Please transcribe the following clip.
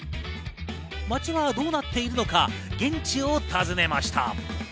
街はどうなっているのか現地を訪ねました。